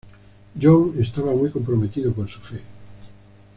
Young estaba muy comprometido con su fe.